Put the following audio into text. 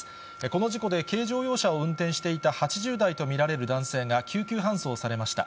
この事故で、軽乗用車を運転していた８０代と見られる男性が救急搬送されました。